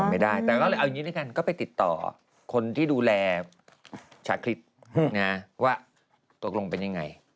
ไม่ได้แต่ก็เลยเอาอย่างนี้ด้วยกันก็ไปติดต่อคนที่ดูแลชาคริสต์นะว่าตกลงเป็นยังไง